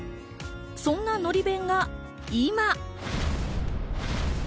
そんなのり弁が今。